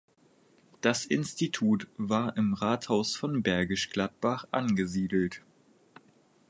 Das Institut war im Rathaus von Bergisch Gladbach angesiedelt.